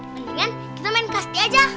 mendingan kita main kasti aja